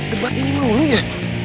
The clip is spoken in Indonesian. debat ini dulu ya